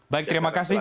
baik terima kasih